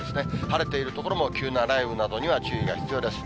晴れている所も急な雷雨などには注意が必要です。